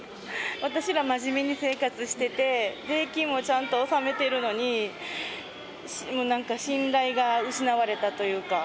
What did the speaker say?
私ら真面目に生活してて、税金もちゃんと納めてるのに、もうなんか信頼が失われたというか。